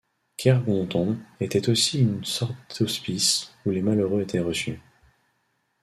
Kergouanton était aussi une sorte d'hospice où les malheureux étaient reçus.